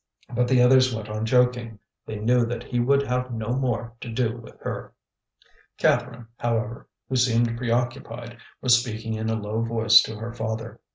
But the others went on joking; they knew that he would have no more to do with her. Catherine, however, who seemed preoccupied, was speaking in a low voice to her father.